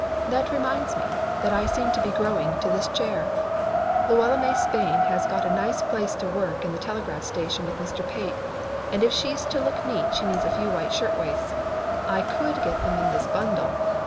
That reminds me that I seem to be growing to this chair. Luella May Spain has got a nice place to work in the telegraph station with Mr. Pate, and if she's to look neat she needs a few white shirt waists. I could get them in this bundle.